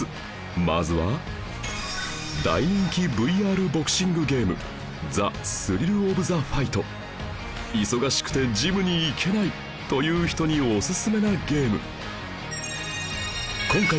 まずは大人気 ＶＲ ボクシングゲーム忙しくてジムに行けないという人におすすめなゲーム